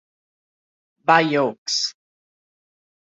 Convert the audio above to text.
Bayeux